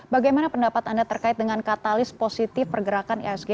bagaimana pendapat anda terkait dengan katalis positif pergerakan ihsg